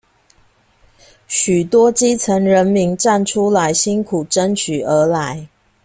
許多基層人民站出來辛苦爭取而來